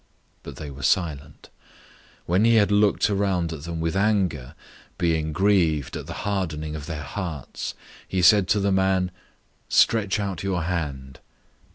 But they were silent. 003:005 When he had looked around at them with anger, being grieved at the hardening of their hearts, he said to the man, "Stretch out your hand."